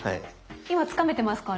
今つかめてますか？